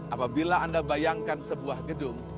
apabila anda bayangkan sebuah gedung